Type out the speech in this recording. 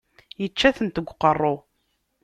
Yečča-tent deg uqerru.